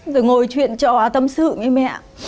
rồi ngồi chuyện trò tâm sự với mẹ